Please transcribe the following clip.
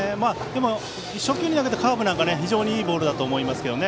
でも、初球に投げたカーブなんかは非常にいいボールだったと思いますけどね。